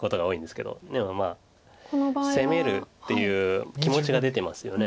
でもまあ攻めるっていう気持ちが出てますよね。